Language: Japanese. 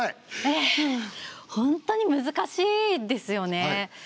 えっ本当に難しいですよね。